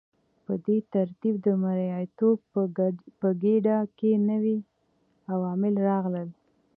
په دې ترتیب د مرئیتوب په ګیډه کې نوي عوامل راغلل.